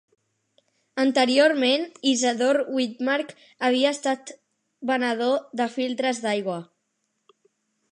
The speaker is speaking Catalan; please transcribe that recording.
Anteriorment, Isadore Witmark havia estat venedor de filtres d'aigua.